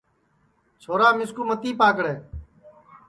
چھورا مِسکُو متی پاکڑے